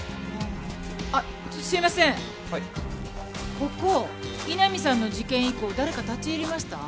ここ井波さんの事件以降誰か立ち入りました？